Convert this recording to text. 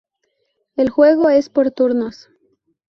El juego es por turnos.